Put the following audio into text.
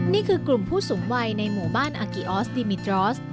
นี่คือกลุ่มผู้สูงวัยในหมู่บ้านอากิออสดิมิตรรอส